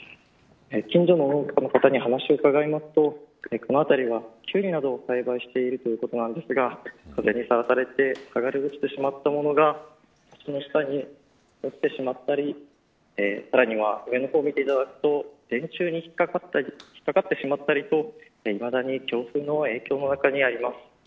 近所の方に話をうかがいますとこの辺りはキュウリなどを栽培しているということなんですが風にさらされて剥がれ落ちてしまったものが下に落ちてしまったりさらには上の方を見ていただくと電柱に引っかかってしまったりといまだに強風の影響の中にあります。